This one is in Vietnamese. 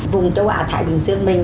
vùng châu á thái bình dương mình